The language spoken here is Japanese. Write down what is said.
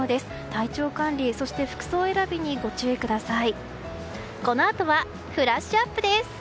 体調管理そして服装選びにご注意ください。